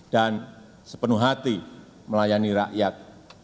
dan sepenuh hati melayani rakyat